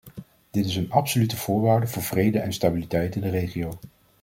Dit is een absolute voorwaarde voor vrede en stabiliteit in de regio.